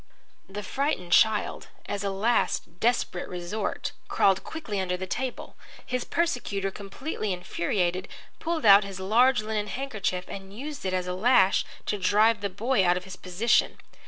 The frightened child, as a last desperate resort, crawled quickly under the table. His persecutor, completely infuriated, pulled out his large linen handkerchief and used it as a lash to drive the boy out of his position.